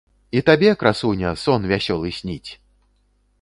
І табе, красуня, сон вясёлы сніць!